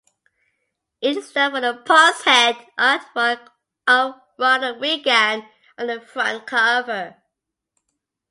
It is known for the Pushead artwork of Ronald Reagan on the front cover.